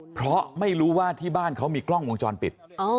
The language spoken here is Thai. เพราะไม่รู้ว่าที่บ้านเขามีกล้องวงจรปิด